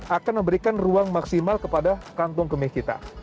akan memberikan ruang maksimal kepada kantong kemih kita